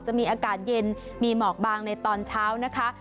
จะมีอากาศเย็นมีหมอกบางในตอนเช้านะคะ